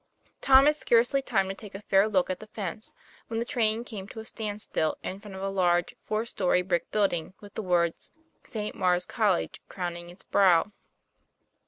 Tom had scarcely time to take a fair look at the fence, when the train came to a standstill in front of a large four story brick building with the words '* St. Maure's College," crowning its brow.